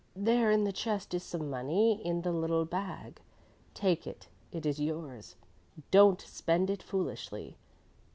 There in the chest is some money in the little bag; take it, it is yours; don't spend it foolishly.